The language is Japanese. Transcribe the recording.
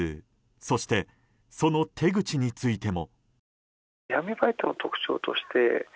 そして、その手口についても。